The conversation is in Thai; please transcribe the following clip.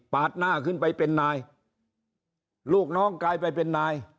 หน้าขึ้นไปเป็นนายลูกน้องกลายไปเป็นนาย